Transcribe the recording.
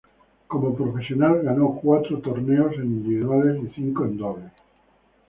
Como profesional ganó cuatro torneos en individuales y cinco en dobles.